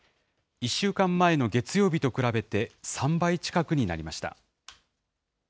１週間前の月曜日と比べて３倍近くになりました。